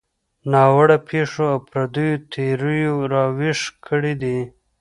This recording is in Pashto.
ناوړه پېښو او پردیو تیریو راویښ کړي دي.